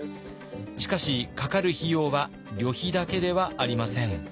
しかしかかる費用は旅費だけではありません。